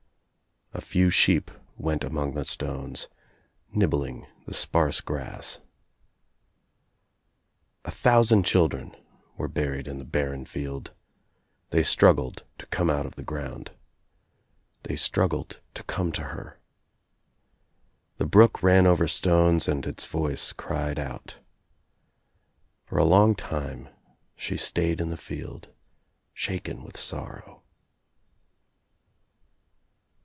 A few sheep went among the stones nib bling the sparse grass. A thousand children were burled in the barren field. They struggled to come out of the ground. They struggled to come to her. The brook ran over stones and its voice cried out. For a long time she stayed in the field, shaken with sorrow.